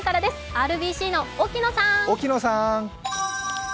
ＲＢＣの沖野さん。